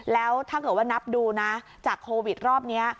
แล้วถ้าเกิดว่านับดูนะจากโควิดรอบนี้